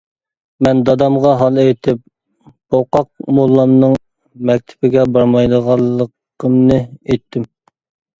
مەن دادامغا ھال ئېيتىپ، پوقاق موللامنىڭ مەكتىپىگە بارمايدىغانلىقىمنى ئېيتتىم.